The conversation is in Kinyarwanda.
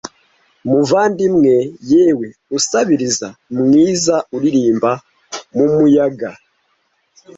muvandimwe yewe usabiriza mwiza uririmba mumuyaga